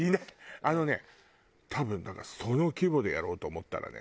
あのね多分だからその規模でやろうと思ったらね